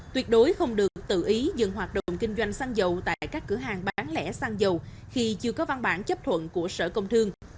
tuyệt đối không được tự ý dừng hoạt động kinh doanh xăng dầu tại các cửa hàng bán lẻ xăng dầu khi chưa có văn bản chấp thuận của sở công thương